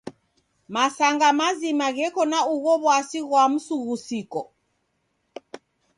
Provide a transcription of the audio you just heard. Masanga mazima gheko na ugho w'asi ghwa msughusiko.